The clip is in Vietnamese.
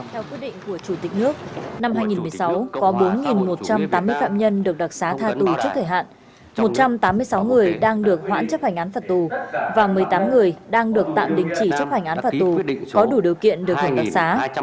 theo quy định của chủ tịch nước năm hai nghìn một mươi sáu có bốn một trăm tám mươi phạm nhân được đặc xá tha tù trước thời hạn một trăm tám mươi sáu người đang được hoãn chấp hành án phạt tù và một mươi tám người đang được tạm đình chỉ chấp hành án phạt tù có đủ điều kiện được hành đặc xá